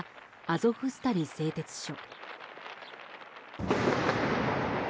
アゾフスタリ製鉄所。